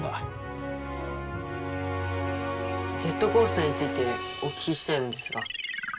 ジェットコースターについてお聞きしたいのですが。